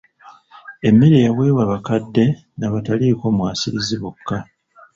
Emmere yaweebwa bakadde n'abataliiko mwasirizi bokka.